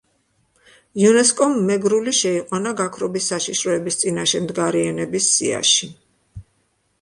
იუნესკომ მეგრული შეიყვანა გაქრობის საშიშროების წინაშე მდგარი ენების სიაში.